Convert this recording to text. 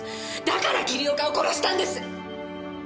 だから桐岡を殺したんです！